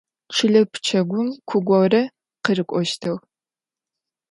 Чылэ пчэгум ку горэ къырыкӏощтыгъ.